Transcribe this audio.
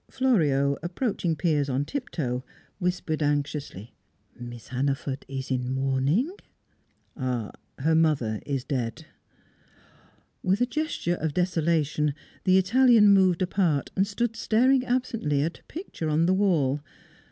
Florio, approaching Piers on tiptoe, whispered anxiously: "Miss Hannaford is in mourning?" "Her mother is dead." With a gesture of desolation, the Italian moved apart, and stood staring absently at a picture on the wall.